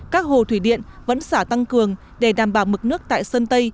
các hồ thủy điện vẫn xả tăng cường để đảm bảo mực nước tại sơn tây